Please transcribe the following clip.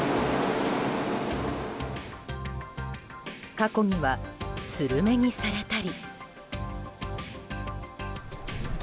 過去には、スルメにされたり。